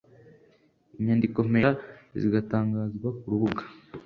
inyandikompesha zigatangazwa ku rubuga